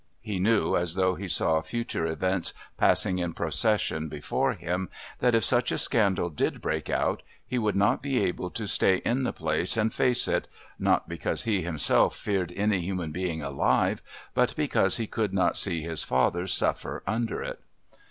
He knew, as though he saw future events passing in procession before him, that if such a scandal did break out he would not be able to stay in the place and face it not because he himself feared any human being alive, but because he could not see his father suffer under it.